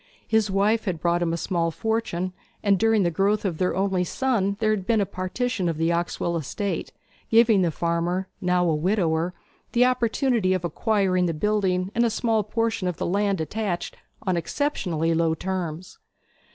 His wife had brought him a small fortune, and during the growth of their only son there had been a partition of the Oxwell estate, giving the farmer, now a widower, the opportunity of acquiring the building and a small portion of the land attached on exceptionally low terms.